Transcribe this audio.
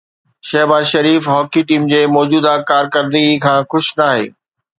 Shahbaz Sharif hockey team جي موجوده ڪارڪردگيءَ کان خوش ناهي